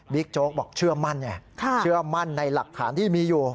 โจ๊กบอกเชื่อมั่นไงเชื่อมั่นในหลักฐานที่มีอยู่